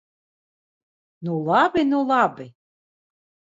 Nu labi, nu labi!